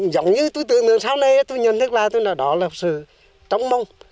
giống như tôi tưởng được sau này tôi nhận thức là tôi nói đó là sự trọng mong